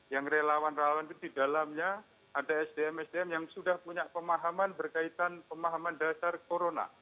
yang relawan relawan itu di dalamnya ada sdm sdm yang sudah punya pemahaman berkaitan pemahaman dasar corona